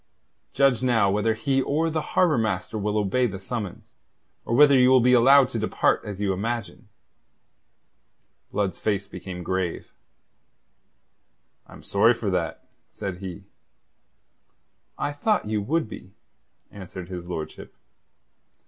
Judge now whether he or the Harbour Master will obey the summons, or whether you will be allowed to depart as you imagine." Blood's face became grave. "I'm sorry for that," said he. I thought you would be, answered his lordship.